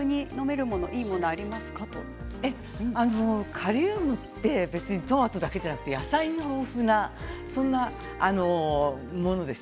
カリウムってトマトだけじゃなく野菜に豊富なそんなものです。